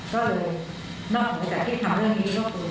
ก็เลยนอกจากที่ทำเรื่องนี้ทุกคน